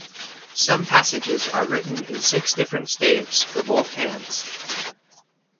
Some passages are written in six different staves for both hands.